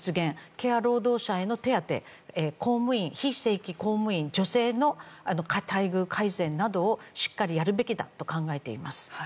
ケア労働者への手当公務員、非正規公務員、女性の待遇改善などをしっかりやるべきだと考えています。